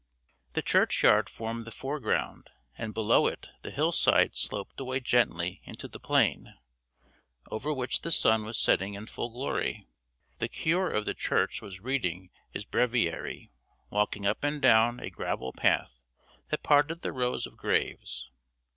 The churchyard formed the foreground, and below it the hill side sloped away gently into the plain, over which the sun was setting in full glory. The cure of the church was reading his breviary, walking up and down a gravel path that parted the rows of graves.